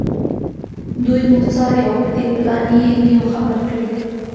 دوی موږ څاري او په دې پلان یې نه یو خبر کړي